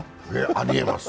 ありえます。